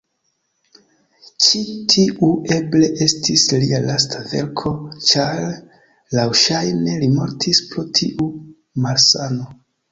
Ĉi-tiu eble estis lia lasta verko ĉar laŭŝajne li mortis pro tiu malsano.